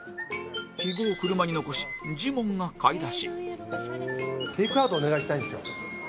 肥後を車に残しジモンが買い出し